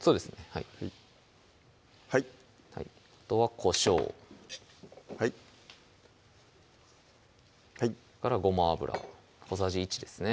はいはいあとはこしょうはいごま油を小さじ１ですね